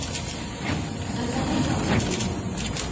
رسنۍ او تفریح